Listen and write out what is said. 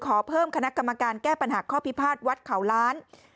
ขอเพิ่มคณะกรรมการแก้ปัญหาข้อพิพาทวัดเขาล้าน